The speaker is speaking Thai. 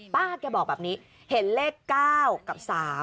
ป้าแกบอกแบบนี้เห็นเลข๙กับ๓